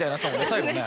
最後ね。